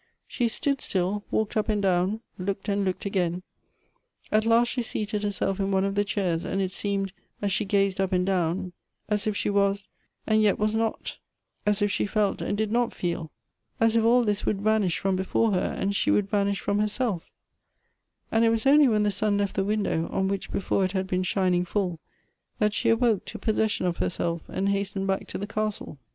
She stood still, walked up and down, looked and looked again ; at last she seated herself in one of the chairs, and it seemed, as she gazed tip and down, as if she was, and yet was not — as if she felt and did not feel — as if all this would vanish from before her, and she would vanish from hei self ; and it was only when the sun left the window, on which before it had been shining full, that she awoke to possession of herself, and hastened back to the castle.